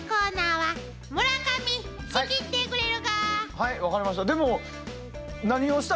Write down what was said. はい分かりました。